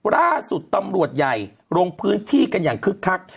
ล่าสุดตำรวจใหญ่ลงพื้นที่กันอย่างคึกคัก